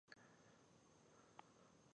پانګوال کارګرانو ته د تولید ډول ورښيي